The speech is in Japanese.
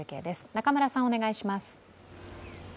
中村さん、お願いします。